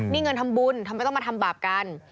นี่เงินทำบุญทำไมต้องมาทำบาปกัน